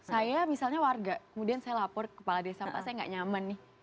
saya misalnya warga kemudian saya lapor kepala desa pak saya gak nyaman nih